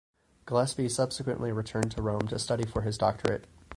Gillespie subsequently returned to Rome to study for his doctorate.